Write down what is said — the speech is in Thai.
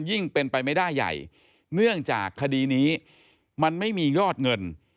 ยิ่งเป็นไปไม่ได้ใหญ่เนื่องจากคดีนี้มันไม่มียอดเงิน